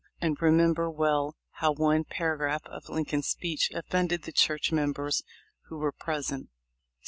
261 remember well how one paragraph of Lincoln's speech offended the church members who were present.